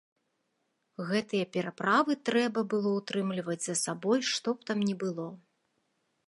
Гэтыя пераправы трэба было ўтрымліваць за сабой што б там ні было.